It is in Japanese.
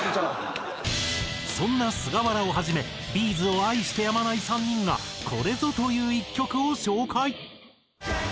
そんな菅原をはじめＢ’ｚを愛してやまない３人がこれぞという一曲を紹介。